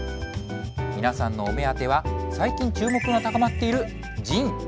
皆さんのお目当ては、最近注目が高まっているＺＩＮＥ。